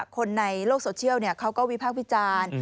คนในโลกโซเชียลเขาก็วิพากษ์วิจารณ์